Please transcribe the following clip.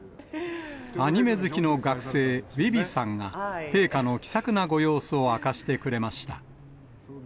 アニメ好きの学生、ウィビさんが、陛下の気さくなご様子を明かしてくれました。